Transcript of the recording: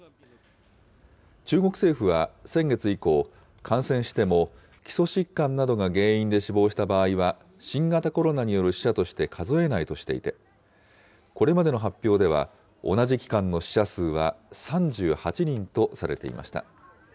中国政府は先月以降、感染しても基礎疾患などが原因で死亡した場合は、新型コロナによる死者として数えないとしていて、これまでの発表では、同じ期間の死者数は３８人とされていました。